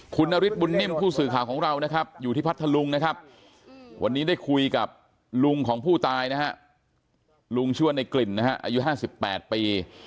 คุณนฤทธบุญนิ่มผู้สื่อข่าวของเรานะครับอยู่ที่พัทธลุงนะครับวันนี้ได้คุยกับลุงของผู้ตายนะฮะลุงชื่อว่าในกลิ่นนะฮะอายุ๕๘ปี